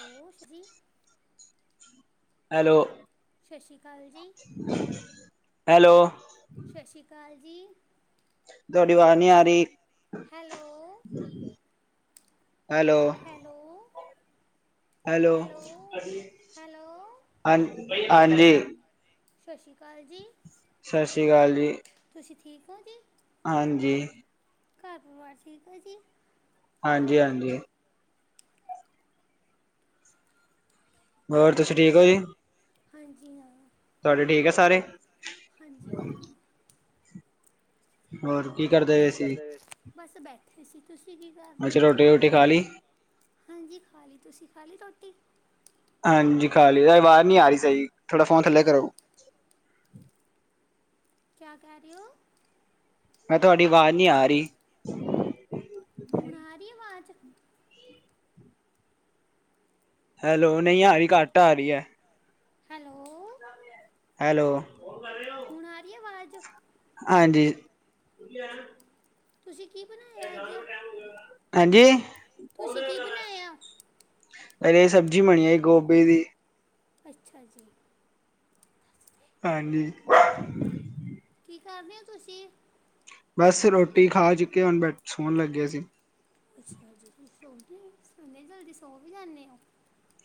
ਉਹ ਸ਼੍ਰੀ ਹੈਲੋ ਸਤਿ ਸ਼੍ਰੀ ਅਕਾਲ ਜੀ। ਹੈਲੋ। ਸਤਿ ਸ਼੍ਰੀ ਅਕਾਲ ਜੀ। ਤੁਹਾਡੀ ਆਵਾਜ਼ ਨਹੀਂ ਆ ਰਹੀ। Hello hello hello, hello hello ਹਾਂ ਹਾਂਜੀ, ਸਤਿ ਸ਼੍ਰੀ ਅਕਾਲ ਜੀ। ਸਤਿ ਸ੍ਰੀ ਅਕਾਲ ਜੀ ਤੁਸੀਂ ਠੀਕ ਹੋ ਜੀ। ਹਾਂਜੀ, ਘਰ ਪਰਿਵਾਰ ਠੀਕ ਆ ਜੀ ਹਾਂਜੀ ਹਾਂਜੀ ਹੋਰ ਤੁਸੀਂ ਠੀਕ ਹੋ ਜੀ ਹਾਂਜੀ ਹਾਂ, ਤੁਹਾਡੇ ਠੀਕ ਆ ਸਾਰੇ। ਹਾਂਜੀ ਹਾਂ, ਹੋਰ ਕਰਦੇ ਪਏ ਕੀ ਸੀ ਕਰਦੇ ਬਸ ਬੈਠੇ ਸੀ ਤੁਸੀਂ ਕੀ ਕਰ ਰਹੇ ਅੱਛਾ ਹੋ। ਰੋਟੀ ਰੋਟੀ ਖਾ ਲਈ ਹਾਂਜੀ ਖਾ ਲਈ ਤੁਸੀਂ ਖਾ ਲਈ ਰੋਟੀ। ਹਾਂਜੀ ਖਾ ਲਈ ਆਵਾਜ਼ ਨਹੀਂ ਆ ਰਹੀ ਸ ਜੀ ਥੋੜ੍ਹਾ ਫੋਨ ਥੱਲੇ ਕੀ ਕਰੋ। ਕਿਆ ਕਹਿ ਰਹੇ ਹੋ। ਮੈਂ ਤੁਹਾਡੀ ਆਵਾਜ਼ ਨਹੀਂ ਆ ਰਹੀ। ਹੁਣ ਆ ਰਹੀ ਆਵਾਜ਼। ਹੈਲੋ ਨਹੀਂ ਆ ਰਹੀ ਘੱਟ ਆ ਰਹੀ ਹੈ। ਹੈਲੋ, ਹੈਲੋ, ਹੁਣ ਆ ਰਹੀ ਆਵਾਜ਼। ਹਾਂਜੀਜ਼ ਤੁਸੀਂ ਕੀ ਬਣਾਇਆ ਅੱਜ ਹਾਂਜੀ, ਤੁਸੀਂ ਕੀ ਬਣਾਇਆ। ਇਹ ਸਬਜ਼ੀ ਬਣੀ ਆਏ ਗੋਭੀ ਦੀ। ਅੱਛਾ ਜੀ, ਹਾਂਜੀ, ਕੀ ਕਰਦੇ ਹੋ ਤੁਸੀਂ? ਬਸ ਰੋਟੀ ਖਾ ਚੁੱਕੇ ਹੁਣ ਬ ਸੋਹਣ ਲੱਗੇਿਆ ਸੀ। ਹਾਏ ਇੰਨੀ ਜਲਦੀ ਸੋ ਵੀ ਜਾਂਦੇ ਹੋ।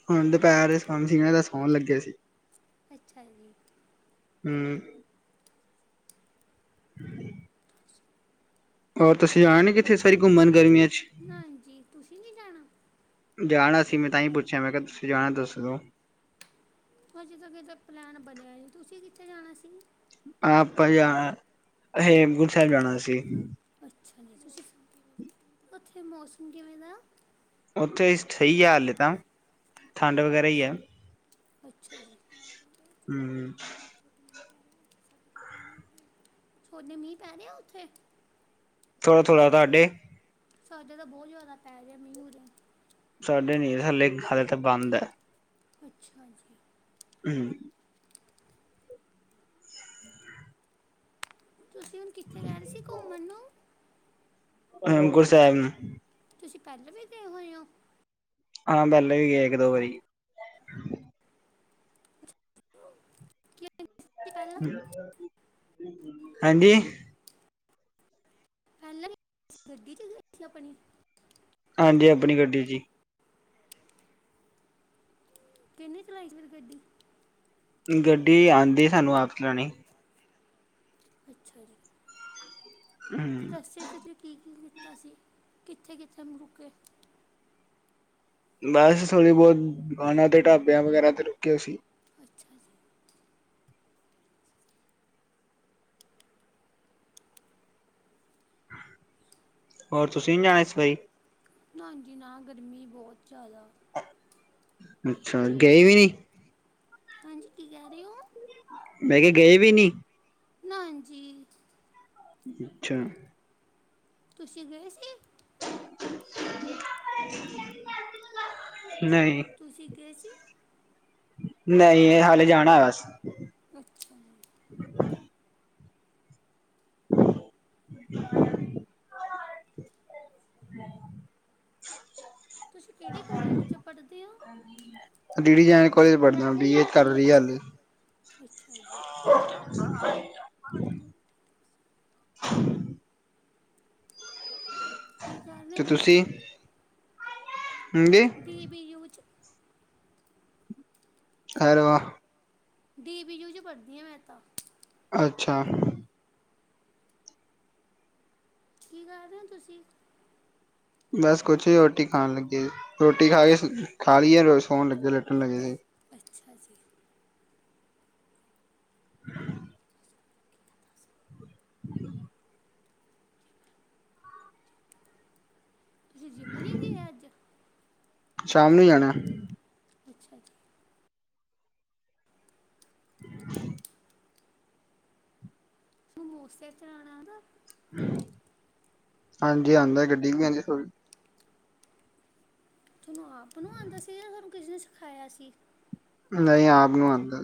ਹੁਣ ਦੁਪਹਿਰ ਦੇ ਸ ਸੀ ਦਾ ਸੌਣ ਲੱਗਿਆ ਸੀ। ਅੱਛਾ ਜੀ, ਹੂੰ, ਹੂੰ, ਔਰ ਤੁਸੀਂ ਜਾਣ ਕਿੱਥੇ ਸਾਰੀ ਘੁੰਮਣ ਗਰਮੀਆਂ ਚ। ਨਾ ਜੀ ਤੁਸੀਂ ਨੀ ਜਾਣਾ। ਜਾਣਾ ਸੀ ਮੈਂ ਤਾਂ ਹੀ ਪੁੱਛਿਆ ਮੈਂ ਕਿਹਾ ਤੁਸੀਂ ਜਾਣਾ ਦੱਸ ਦਿੰਦੇ ਅਜੇ ਤ ਕਿ ਦਾ ਪਲੈਨ ਬਣਿਆ ਜੀ ਤੁਸੀਂ ਕਿੱਥੇ ਜਾਣਾ ਸੀ। ਆਪਾਂ ਜਾਣਾ ਸੀ ਸ੍ਰੀ ਹੇਮਕੁੰਡ ਸਾਹਿਬ ਅੱਛਾ ਜੀ ਤੁਸੀਂ, [unintelligible] ਹਾਂ ਉੱਥੇ ਮੌਸਮ ਕਿਵੇਂ ਦਾ। ਉੱਥੇ ਸਹੀ ਹੈ ਹਾਲੇ ਤਾਂ ਠੰਡ ਵਗੈਰਾ ਹੀ ਹੈ। ਅੱਛਾ ਜੀ, ਹੂੰ ਹੂੰ, ਹੁਣ ਵੀ ਮੀਂਹ ਪੈ ਰਿਆ ਉੱਥੇ ਥੋੜਾ ਥੋੜਾ ਤੁਹਾਡੇ ਸਾਡੇ ਤਾਂ ਬਹੁਤ ਜ਼ਿਆਦਾ ਪੈ ਰਿਹਾ ਮੀਂਹ ਮੂੰ ਜੇਹਾ ਮੀਹੂ। ਸਾਡੇ ਨੀ ਹਾਲੇ, ਹਾਲੇ ਤਾਂ ਬੰਦ ਐ। ਅੱਛਾ ਜੀ, ਹੂੰ, [unintelligible] ਤੁਸੀਂ ਹੁਣ ਕਿੱਥੇ ਕਹ ਰਹੇ ਸੀ ਘੁੰਮਣ ਨੂੰ। ਹੇਮਕੁਟ ਸਾਹਿਬ ਨੂੰ ਤੁਸੀਂ ਪਹਿਲ ਵੀ ਗਏ ਹੋਏ ਔ। ਹਾਂ ਮਿਲੇ ਵੀ, ਇੱਕ ਦੋ ਵਾਰੀ ਕਿ ਤੁਸੀਂ ਪਹਿਲਾਂ ਹਾਂਜੀ ਪਹਿਲਾਂ ਵੀ ਗੱਡੀ ਚ ਗਏ ਸੀ, ਆਪਣੀ। ਹਾਂਜੀ ਆਪਣੀ ਗੱਡੀ ਚ ਈ। ਕਿਨੇ ਚਲਾਈ ਸੀ ਫਿਰ ਗੱਡੀ। ਗੱਡੀ ਆਂਦੀ, ਸਾਨੂੰ ਆਪ ਚਲਾਣੀ। ਅੱਛਾ ਜੀ, ਹੂੰ ਰਸਤੇ ਜੀ। ਕੀ ਕੀ ਕੀਤਾ ਸੀ, ਕਿੱਥੇ ਕਿੱਥੇ ਰੁਕੇ। ਬਸ ਥੋੜ੍ਹੀ ਬਹੁਤ, ਦੁਕਾਨਾਂ ਤੇ ਢਾਬਿਆਂ ਵਗੈਰਾ ਤੇ ਰੁਕੇ ਸੀ। ਅੱਛਾ ਜੀ ਹੋਰ ਤੁਸੀਂ ਨਹੀ ਜਾਣਾ ਇਸ ਵਾਰੀ। ਨਾ ਜੀ ਨਾ, ਗਰਮੀ ਬਹੁਤ ਜ਼ਿਆਦਾ। ਅੱਛਾ ਗਏ ਵੀ ਨੀ ਹਾਂਜੀ ਕੀ ਕਹਿ ਰਹੇ ਹੋ। ਮੈਂ ਕਿਹਾ, ਗਏ ਵੀ ਨਹੀ। ਨਾ ਜੀ ਅੱਛਾ ਤੁਸੀ ਗਏ ਸੀ ਨਹੀਂ ਤੁਸੀ ਗਏ ਸੀ ਨਹੀਂ, ਹਾਲੇ ਜਾਣਾ ਆ ਬਸ। ਅੱਛਾ [inaudible] ਹਮ [unintelligible] ਤੁਸੀਂ ਕਿਹੜੇ ਕੋਲਜ ' ਚ ਪੜ੍ਹਦੇ ਹੋ। ਡੀ ਡੀ ਜੈਨ ਕੋਲੇਜ ਪੜ੍ਹਦਾ, ਬੀ ਏ ਕਰ ਲਈ ਆ ਅੱਛਾ ਹਾਲੇ। ਜੀ ਅੱਛਾ ਜੀ ਕੀ ਕਰ ਰਹੇ ਤੇ ਹੋ ਤੁਸੀਂ, ਹਾਂਜੀ ਡੀ ਬੀ ਯੂ ਚ ਅਰੇ ਵਾਹ ਡੀ ਬੀ ਯੂ 'ਚ ਪੜ੍ਹਦੀ ਹਾਂ, ਮੈਂ ਤਾਂ। ਅੱਛਾ ਕੀ ਕਰ ਰਹੇ ਹੋ ਤੁਸੀਂ ਬਸ ਕੁਛ ਹੀ ਰੋਟੀ ਖਾਣ ਲੱਗੇ ਸੀ, ਰੋਟੀ ਖਾ ਕੇ ਅੱਛਾ ਜੀ ਖਾ ਲਈ ਏ, ਸੋਣ ਲੱਗੇ ਸੀ। ਅੱਛਾ ਜੀ ਹਮ [unintelligible] ਤੁਸੀਂ ਜਿੰਮ ਨਹੀ ਗਏ ਅੱਜ ਸ਼ਾਮ ਨੂੰ ਜਾਣਾ ਅੱਛਾ ਜੀ [inaudible] ਮੋਟਰ ਸਾਈਕਲ ਚਲਾਉਣਾ ਆਉਂਦਾ। ਹਾਂਜੀ ਆਉਂਦਾ ਗੱਡੀ ਵੀ ਆਦੀ ਤੁਹਾਨੂੰ ਆਪ ਨੂੰ ਆਉਂਦਾ ਸੀ ਜਾਂ ਤੁਹਾਨੂੰ ਕਿਸ ਨ ਸਿਖਾਇਆ ਸੀ ਨਹੀਂ ਆਪ ਨੂੰ ਆਉਂਦਾ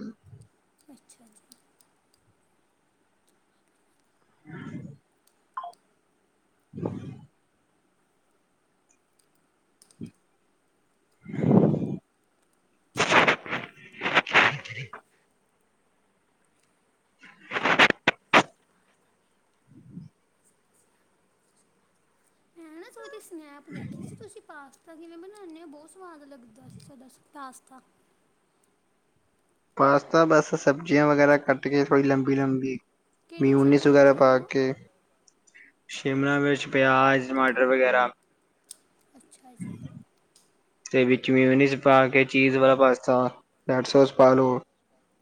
ਅੱਛਾ ਜੀ ਹ ਹ [unintelligible] [inaudible] [inaudible] ਮੈਂ ਨਾ ਤੁਹਾਡੀ ਸਨੈਪ ਦੇਖੀ ਸੀ, ਤੁਸੀਂ ਪਾਸਤਾ ਕਿਵੇਂ ਬਣਾਉਂਦੇ ਹੋ, ਬਹੁਤ ਸਵਾਦ ਲੱਗਦਾ ਸੀ ਤੁਹਾਡਾ ਪਾਸਤਾ। ਪਾਸਤਾ ਬਸ ਸਬਜ਼ੀਆਂ ਵਗੈਰਾ ਕੱਟ ਕੇ ਥੋੜੀ ਲੰਬੀ ਲੰਬੀ। ਕਿਹੜੀਆਂ ਮਿਯੂਨਿਸ ਸਬਜ਼ੀਆਂ ਵਗੈਰਾ ਕੱਟਦੇ ਹੋ ਪਾਕੇ ਸ਼ਿਮਲਾ ਮਿਰਚ, ਪਿਆਜ਼, ਟਮਾਟਰ ਵਗੈਰਾ ਅੱਛਾ ਜੀ ਤੇ ਵਿੱਚ ਮਿਊਨੀਜ਼ ਪਾ ਕੇ ਚੀਜ਼ ਵਾਲਾ ਪਾਸਤਾ ਰੈਡ ਸੋਸ ਪਾ ਲੋ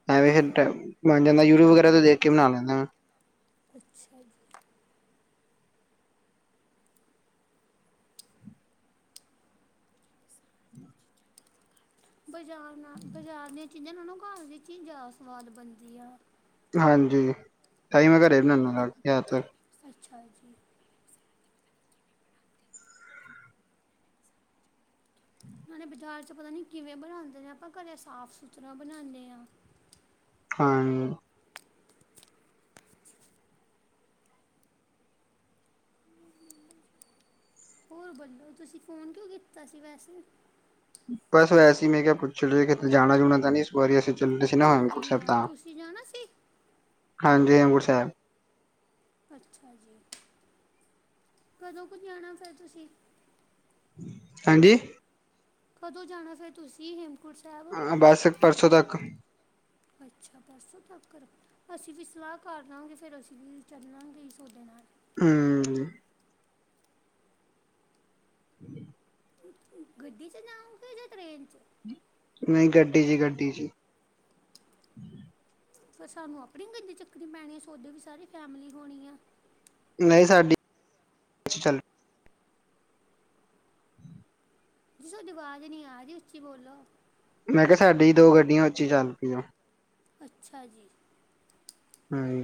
[unintelligible] ਬਨ ਜਾਂਦਾ ਯੂਟਿਊਬ ਵਗੈਰਾ ਤੋਂ ਦੇਖ ਕੇ ਬਣਾ ਲੈਂਦਾ ਅੱਛਾ ਜੀ। ਬਾਜ਼ਾਰ ਨਾਲ ਬਜ਼ਾਰ ਦੀਆਂ ਚੀਜ਼ਾਂ ਨਾਲੋਂ, ਘਰ ਦੀ ਚੀਜ਼ ਜ਼ਿਆਦਾ ਸਵਾਦ ਬਣਦੀ ਆ। ਤੇ ਉਹ ਹਾਂਜੀ ਤਹਿ ਮੇ ਘਰੇ ਬਣਾਨਾ ਜ਼ਿਆਦਾ ਤਰ ਅੱਛਾ ਜੀ। ਨਾਲੇ ਬਾਜ਼ਾਰ 'ਚ ਪਤਾ ਨੀ ਕਿਵੇਂ ਬਣਾਂਦੇ ਨੇ, ਆਪਾਂ ਘਰੇ ਸਾਫ਼ ਸੁਥਰਾ ਬਨਾਨੇ ਆ। ਹਾਂ ਹੋਰ ਬੋਲੋ ਤੁਸੀਂ ਫ਼ੋਨ ਕਿਉਂ ਕੀਤਾ ਸੀ ਵੈਸੇ ਬਸ ਵੈਸੇ, ਮੈਂ ਕਿਹਾ ਪੁੱਛ, ਲਿਏ ਕਿਤੇ ਜਾਣਾ- ਜਾੁਣਾ ਤਾਂ ਨਹੀਂ। ਵਾਰੀ ਚੱਲਦੇ ਸੀ ਨਾ ਹਾਂਜੀ ਹੇਮਕੁੰਟ ਸਾਹਿਬ ਨਾ ਤਾਂ, ਤੁਸੀਂ ਜਾਣਾ ਸੀ ਹਾਂਜੀ ਹੇਮਕੁਟ ਸਾਹਿਬ। ਅੱਛਾ ਜੀ ਕਦੋਂ ਕੁ ਜਾਣਾ ਫੇਰ ਤੁਸੀਂ ਹਾਂਜੀ। ਕਦੋਂ ਜਾਣਾ ਫੇਰ ਤੁਸੀਂ ਹੇਮ ਹਾਂ ਬਸ ਪਰਸੋਂ ਤੱਕ। ਅੱਛਾ ਪਰਸੋਂ ਤੱਕ ਕਰੋ ਅਸੀਂ ਵੀ ਸਲਾਹ ਕਰ ਲਵਾਂਗੇ ਫਿਰ ਅਸੀਂ ਵੀ ਚੱਲਾਂਗੇ ਹੀ [unintelligible] ਨਾਲ ਹੂੰ। ਹੂੰ। ਹਮ [inaudible] ਗੱਡੀ ਚ ਜਾਂਊਗੇੇ ਯਾਂ ਟ੍ਰੇਨ ਚ ਨਹੀਂ ਗੱਡੀ ਜੀ ਗੱਡੀ ਜੀ ਚ ਫਿਰ ਸਾਨੂੰ ਆਪਣੀ ਗੰਦੀ ਚੱਕਣੀ ਪੈਣੀ ਸੋਦੇ ਵੀ ਸਾਰੀ ਫੈਮਿਲੀ ਹੋਣੀ ਆ ਨਹੀਂ ਸਾਡੀ ਚ ਚੱਲ [inaudible] ਜੀ ਤੁਹਾਡੀ ਆਵਾਜ਼ ਨੀ ਆਰੀ ਉੱਚੀ ਬੋਲੋ ਮੈਂ ਕਿਹਾ ਸਾਡੀ ਦੋ ਗੱਡੀਆਂ ਉਚ ਹੀ [unintelligible] ਅੱਛਾ ਜੀ। ਹਮ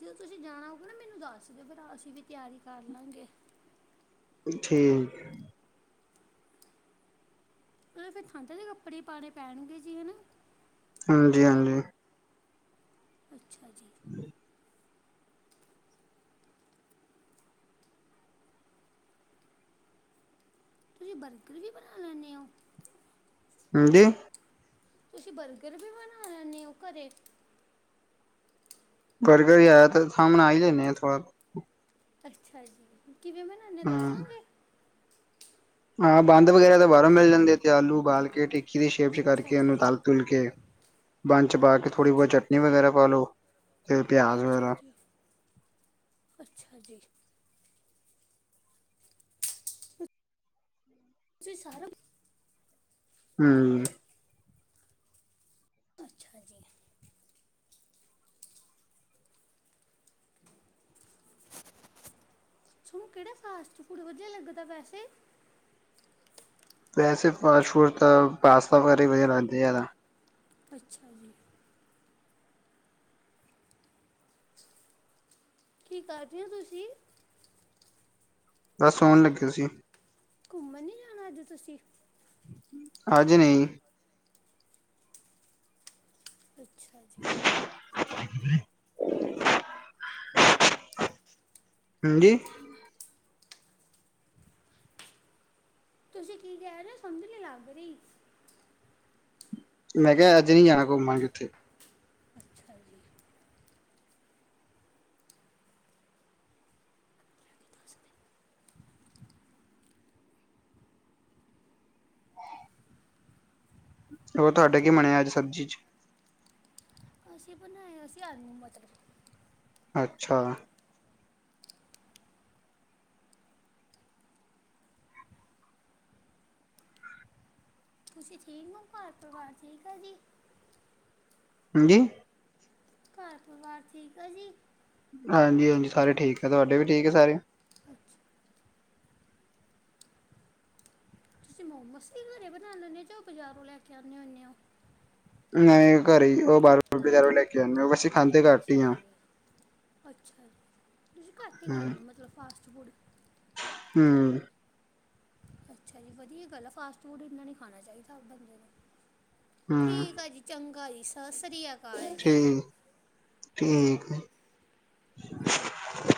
ਜਦੋਂ ਤੁਸੀਂ ਜਾਣਾ ਹੋਉਗਾ ਨਾ ਮੈਨੂੰ ਦੱਸ ਦਿਓ ਫੇਰ ਅਸੀਂ ਵੀ ਤਿਆਰੀ ਕਰ ਲਾਂਗੇ [unintelligible] ਠੀਕ ਓਨਾਂ ਨੂੰ ਫੇਰ ਠੰਡ ਆਲੇ ਕੱਪੜੇ ਈ ਪਾਨੇ ਪੈਨਗੇ ਜੀ ਹਨਾ। ਹਾਂਜੀ ਹਾਂਜੀ ਅੱਛਾ ਜ ਤੁਹੀ ਬਰਗਰ ਵੀ ਬਣਾ ਲੈਂਣੇ ਉ ਹਾਂਜੀ? ਤੁਸੀਂ ਬਰਗਰ ਵੀ ਬਣਾ ਲੈਂਨੇ ਓ ਘਰੇ? ਬਰਗਰ ਜਾਦਾਤਰ ਹਾਂ ਬਨਾ ਈ ਲੈਨੇ ਆ ਥੋੜਾ ਅੱਛਾ ਜੀ ਕਿਵੇਂ ਬਣਾਦੇ ਓ ਹੂੰ ਦੱਸੋਂਗੇ ਹਾਂ ਬੰਦ ਵਗੈਰਾ ਤਾਂ ਬਾਰੋਂ ਮਿਲ ਜਾਂਦੇ ਐ ਤੇ ਆਲੂ ਓਬਾਲ ਕੇ ਠੀਕ ਕੀ ਦੀ ਸ਼ੇਪ 'ਚ ਅੱਛਾ ਕਰਕੇ ਇਹਨੂੰ ਜੀ ਤਲ ਤਲ ਕੇ, ਬੰਨ 'ਚ ਪਾ ਕੇ ਥੋੜੀ ਬਹੁਤ ਅੱਛਾ ਚਟਨੀ ਵਗੈਰਾ ਪਾ ਲੋ। ਤੇ ਪਿਆ ਅੱਛਾ ਜੀ ਅੱਛਾ ਜੀ ਤੁਸੀ ਸਾਰੇ ਹੂੰ। ਅੱਛਾ ਜੀ ਤੁਆਨੂੰ ਕੇੜਾ ਫਾਸਟ ਫੂਡ ਵਦੀਆ ਲੱਗਦਾ ਵੈਸੇ ਵੈਸੇ ਫਾਸਟ ਫੁਡ ਤਾਂ ਪਾਸਤਾ ਵਗੈਰਾ ਈ ਵਦੀਆ ਲਾਂਦੇ ਜੈਦਾ ਅੱਛਾ ਜੀ। ਕੀ ਕਰਦੇ ਹੋ ਤੁਸੀ। ਬਸ ਆਉਣ ਲੱਗੇ ਸੀ। ਘੁੰਮਣ ਨੀ ਜਾਣਾ ਆੱਜ ਤੁਸੀ। ਆੱਜ ਨਈ। ਅੱਛਾ ਜੀ ਹਾਂਜੀ ਤੁਸੀ ਕੀ ਕੈ ਰੇ ਓ ਸਮਝ ਨੀ ਲੱਗ ਰੀ। ਮੈ ਕਿਹਾ ਅੱਜ ਨੀ ਜਾਣਾ ਘੁੰਮਣ ਕਿਤੇ। ਹਾਂਜੀ। ਉਹ ਤੁਹਾਡੇ ਬਣੇਆ ਅੱਜ ਸਬਜੀ 'ਚ। ਅਸੀ ਬਣਾਇਆ ਸੀ ਆਲੂ ਮਟਰ। ਅੱਛਾ। ਤੁਸੀ ਠੀਕ ਓ ਘਰ ਪਰਿਵਾਰ ਠੀਕ ਐ ਜੀ। ਹਾਂਜੀ ਘਰ ਪਰਿਵਾਰ ਠੀਕ ਆ ਜੀ। ਹਾਂਜੀ- ਹਾਂਜੀ ਸਾਰੇ ਠੀਕ ਐ ਤੁਆਡੇ ਵੀ ਠੀਕ ਐ ਸਾਰੇ। ਅੱਛਾ ਤੁਸੀ ਮੋਮੋਸ ਵੀ ਘਰੇ ਬਣਾਉਦੇ ਹੁੰਦੇਹੋ ਜਾਂ ਬਜ਼ਾਰੋ ਲੈ ਕੇ ਆਉਣੇ ਹੁੰਦੇ ਹੋ। ਨਹੀ ਘਰੇ ਹੀ ਵਾਲਪੇਪਰ ਬਜਾਰੋ ਲੈ ਕੇ। ਮੋਮੋਸ ਅਸੀ ਖਾਦੇ ਅੱਛਾ ਜੀ ਅੱਛਾ ਜੀ ਤੁਸੀ ਘਟ ਹੀ ਹੂੰ ਖਾਂਦੇ ਹੋ ਮਤਲਬ ਫਾਸਟ ਫੂਡ ਹੂੰ। ਅੱਛਾ ਜੀ ਵਧੀਆ ਗੱਲ ਆ, ਫਾਸਟ ਫੂਡ ਇੰਨਾ ਨਹੀ ਖਾਣਾ ਚਾਹੀਦਾ ਬੰਦੇ ਨੂੰ ਹੂੰ ਠੀਕ ਆ ਜੀ। ਚੰਗਾ ਜੀ ਸਾਸ੍ਰੀਆ ਠੀਕ, ਠੀਕ।